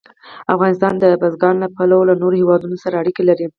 افغانستان د بزګان له پلوه له نورو هېوادونو سره اړیکې لري.